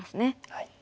はい。